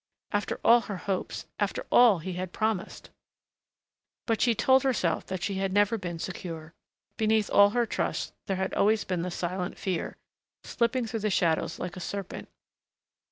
After all her hopes! After all he had promised! But she told herself that she had never been secure. Beneath all her trust there had always been the silent fear, slipping through the shadows like a serpent....